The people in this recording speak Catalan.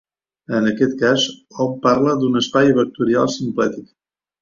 En aquest cas, hom parla d'un espai vectorial simplèctic.